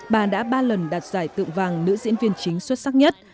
bà đã ba lần đạt giải tượng vàng nữ diễn viên chính xuất sắc nhất